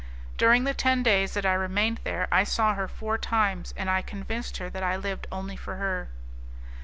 During the ten days that I remained there, I saw her four times, and I convinced her that I lived only for her.